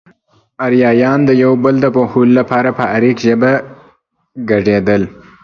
اريايان د يو بل د پوهولو لپاره په اريک ژبه ګړېدل.